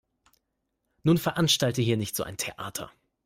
Nun veranstalte hier nicht so ein Theater.